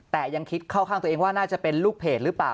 แต่ยังคิดเข้าข้างตัวเองว่าน่าจะเป็นลูกเพจหรือเปล่า